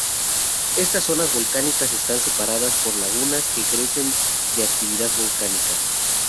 Estas zonas volcánicas están separadas por lagunas que carecen de actividad volcánica.